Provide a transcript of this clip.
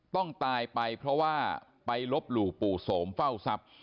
ต้องตายไปเพราะว่าไปลบหลู่ปู่โสมเฝ้าทรัพย์